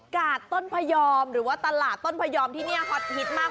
กาดต้นพยอมหรือว่าตลาดต้นพยอมที่นี่ฮอตฮิตมาก